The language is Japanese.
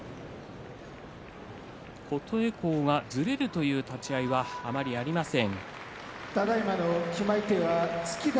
琴恵光がずれるという立ち合いはあまりありません。